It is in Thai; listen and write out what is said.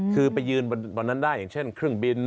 คือไปยืนวันนั้นได้อย่างเช่นเครื่องบิน